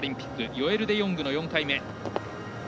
ヨエル・デヨングの４回目。